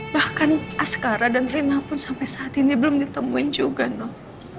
bahkan askara dan rina pun sampai saat ini belum ditemuin juga dong